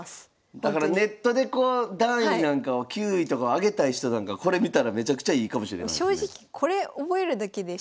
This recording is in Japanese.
だからネットでこう段位なんかを級位とか上げたい人なんかこれ見たらめちゃくちゃいいかもしれないですね。